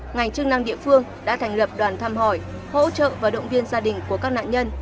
ngành chức năng địa phương đã thành lập đoàn thăm hỏi hỗ trợ và động viên gia đình của các nạn nhân